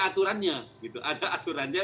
aturannya ada aturannya